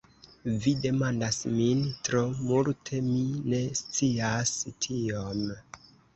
Vi demandas min tro multe; mi ne scias tiom.